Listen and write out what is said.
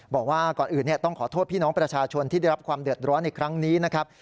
บอกว่าก่อนอื่นต้องขอโทษพี่น้องประชาชนที่ได้รับความเดือดร้อนในครั้งนี้นะครับ